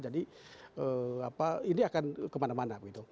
jadi ini akan kemana mana